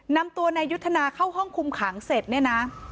นำตัวนายยุทธนาเข้าห้องคุมขังเสร็จเนี่ยนะ